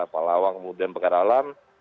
palawang kemudian pekaralan